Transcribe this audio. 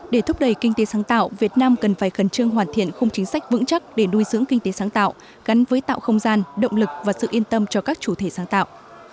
để thúc đẩy kinh tế sáng tạo việt nam cần phải khẩn trương hoàn thiện khung chính sách vững chắc để nuôi dưỡng kinh tế sáng tạo gắn với tạo không gian động lực và sự yên tâm cho các chủ thể sáng tạo